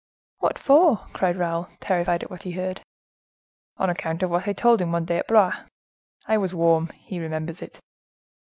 "What for?" cried Raoul, terrified at what he heard. "On account of what I told him one day at Blois. I was warm; he remembers it."